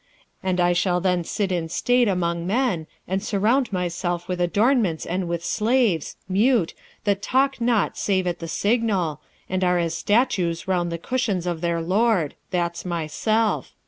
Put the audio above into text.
And I shall then sit in state among men, and surround myself with adornments and with slaves, mute, that speak not save at the signal, and are as statues round the cushions of their lord that's myself.